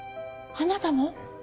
あなたも！？